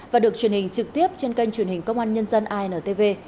và được truyền hình trực tiếp trên kênh truyền hình công an nhân dân intv